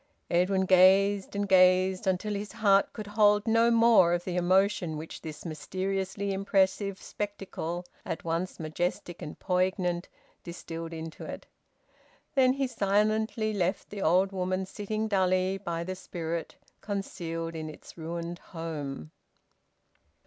Edwin gazed and gazed, until his heart could hold no more of the emotion which this mysteriously impressive spectacle, at once majestic and poignant, distilled into it. Then he silently left the old woman sitting dully by the spirit concealed in its ruined home.